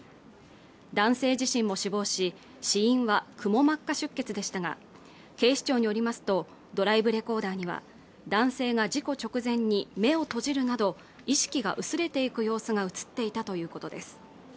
男性自身も死亡し死因はくも膜下出血でしたが警視庁によりますとドライブレコーダーには男性が事故直前に目を閉じるなど意識が薄れていく様子が映っていたということです